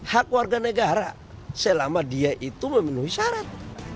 hak warga negara selama dia itu memenuhi syarat